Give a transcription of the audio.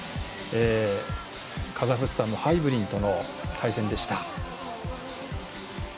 カザフスタンのハイブリンとの対戦でした。